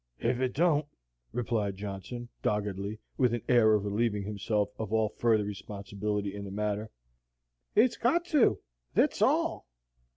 "Ef it don't," replied Johnson, doggedly, with an air of relieving himself of all further responsibility in the matter, "it's got to, thet's all!"